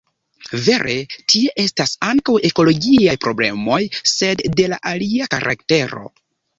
Vere, tie estas ankaŭ ekologiaj problemoj, sed de alia karaktero.